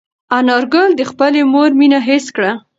انارګل د خپلې مور مینه حس کړه.